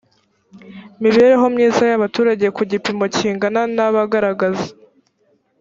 mibereho myiza y abaturage ku gipimo kingana na bagaragaza